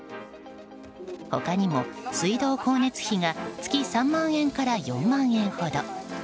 他にも水道・光熱費が月３万円から４万円ほど。